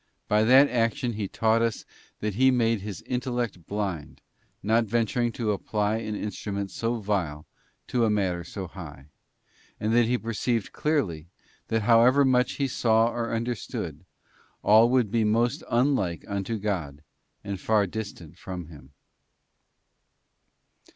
t By that action he taught us that he made his intel lect blind, not venturing to apply an instrument so vile to a _ matter so high; and that he perceived clearly, that however much he saw or understood, all would be most unlike unto God, and far distant from Him.